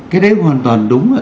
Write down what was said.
cái đấy hoàn toàn đúng ạ